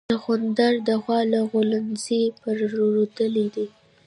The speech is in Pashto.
سخوندر د غوا له غولانځې پی رودلي دي